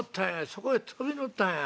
そこへ飛び乗ったんや。